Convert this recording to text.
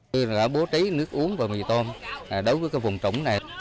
chúng tôi đã bố trí nước uống và mì tôm đối với vùng trũng này